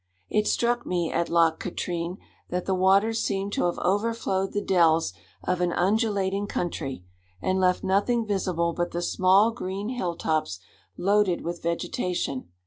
It struck me at Loch Katrine, that the waters seemed to have overflowed the dells of an undulating country, and left nothing visible but the small green hill tops loaded with vegetation.